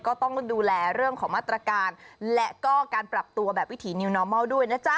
ก็ต้องดูแลเรื่องของมาตรการและก็การปรับตัวแบบวิถีนิวนอร์มอลด้วยนะจ๊ะ